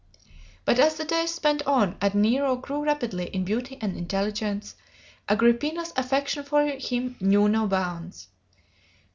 "But as the days sped on, and Nero grew rapidly in beauty and intelligence, Agrippina's affection for him knew no bounds.